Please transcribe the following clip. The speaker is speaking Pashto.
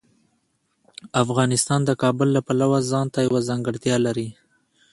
افغانستان د کابل له پلوه ځانته یوه ځانګړتیا لري.